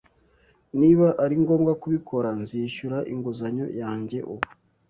Niba ari ngombwa kubikora, nzishyura inguzanyo yanjye ubu